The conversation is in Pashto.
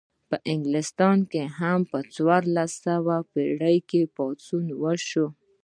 په انګلستان کې هم په څوارلسمه پیړۍ کې پاڅون وشو.